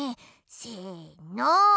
せの。